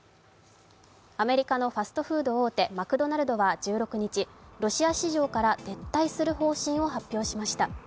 アメリカのファストフード大手マクドナルドは１６日、ロシア市場から撤退する方針を発表しました。